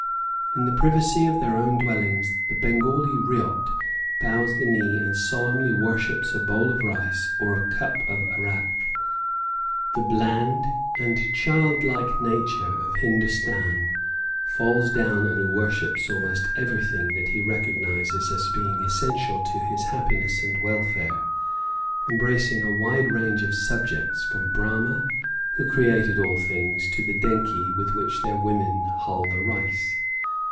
In the privacy of their own dwellings the Bengali ryot bows the knee and solemnly worships a bowl of rice or a cup of arrack. The bland and childlike native of Hindostan falls down and worships almost everything that he recognizes as being essential to his happiness and welfare, embracing a wide range of subjects, from Brahma, who created all things, to the denkhi with which their women hull the rice.